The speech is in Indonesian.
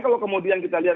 kenapa kemudian mpr terlibat